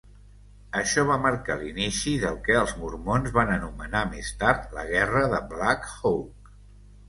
Això va marcar l'inici del què els Mormons van anomenar més tard "la Guerra de Black Hawk".